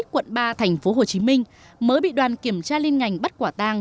quận ba tp hcm mới bị đoàn kiểm tra liên ngành bắt quả tang